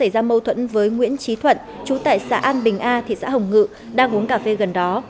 đối tượng đã xảy ra mâu thuẫn với nguyễn trí thuận trú tại xã an bình a thị xã hồng ngự đang uống cà phê gần đó